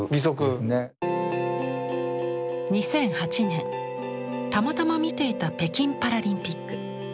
２００８年たまたま見ていた北京パラリンピック。